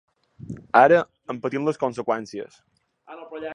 Ara en patim les conseqüències.